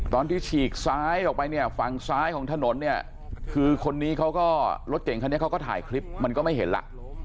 ตอนที่ฉีกซ้ายออกไปฝั่งซ้ายของถนนคือรถเจ๋งคนนี้เขาก็ถ่ายคลิปมันก็ไม่เห็นล่ะ